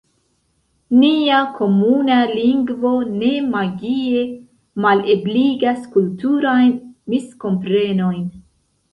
Nia komuna lingvo ne magie malebligas kulturajn miskomprenojn.